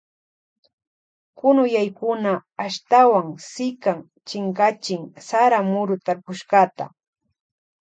Kunuyaykuna ashtawan sikan chinkachin sara muru tarpushkata.